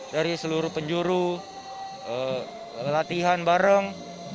dari seluruh penjuru latihan bareng